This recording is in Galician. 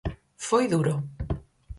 Foi duro.